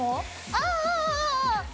ああ。